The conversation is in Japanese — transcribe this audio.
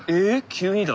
急にだ。